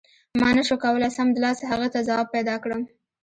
ما نه شو کولای سمدلاسه هغې ته ځواب پیدا کړم.